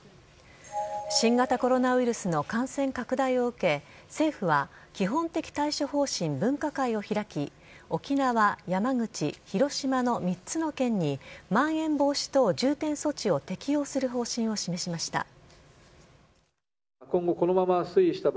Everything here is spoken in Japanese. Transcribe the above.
新型コロナウイルスの感染拡大を受け政府は基本的対処方針分科会を開き沖縄、山口、広島の３つの県にまん延防止等重点措置を適用する方針を示しました。